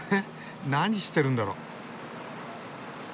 何してるんだろう？